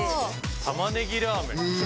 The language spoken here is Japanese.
玉ねぎラーメン。